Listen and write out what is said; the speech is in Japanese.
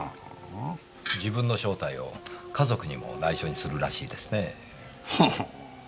自分の正体を家族にも内緒にするらしいですね。